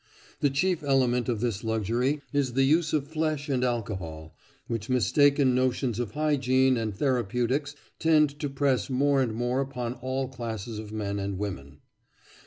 The chief element of this luxury is the use of flesh and alcohol, which mistaken notions of hygiene and therapeutics tend to press more and more upon all classes of men and women.